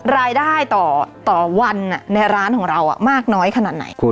รายได้ต่อวันในร้านของเรามากน้อยขนาดไหน